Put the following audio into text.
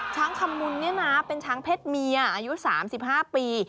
ช้างขมุนเป็นช้างเพชรเมียอายุ๓๕ปี